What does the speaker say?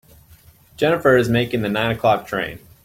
Jennifer is making the nine o'clock train.